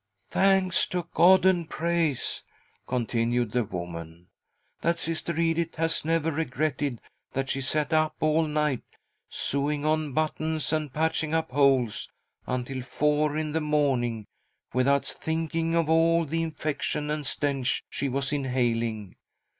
." Thanks to God and praise," continued the woman, " that Sister Edith has never regretted that she sat up all that night, sewing on buttons and patching up holes, until four in the morning, without thinking of all the infection and stench she was inhaling.